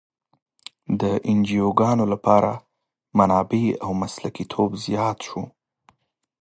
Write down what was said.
د انجوګانو لپاره منابع او مسلکیتوب زیات شو.